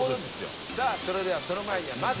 「さあそれではその前にまず」